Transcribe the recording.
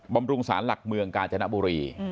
บำรุงสารหลักเมืองกาญจนบุรี